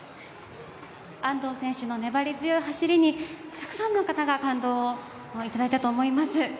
安藤選手の粘り強い走りにたくさんの方が感動をいただいたと思います。